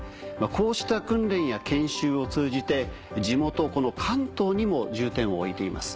こうした訓練や研修を通じて地元関東にも重点を置いています。